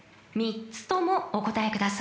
［３つともお答えください］